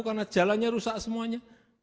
karena jalannya rusak semuanya